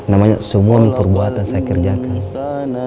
namanya semua perbuatan saya kerjakan